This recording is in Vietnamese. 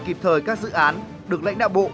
kịp thời các dự án được lãnh đạo bộ